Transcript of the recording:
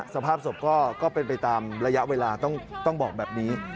สภาพศพก็เป็นไปตามระยะเวลาต้องบอกแบบนี้